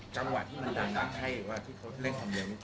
จังหวะที่มันดังนั้นให้ว่าที่เขาเล่นของเดียวกัน